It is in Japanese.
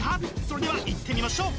それではいってみましょう！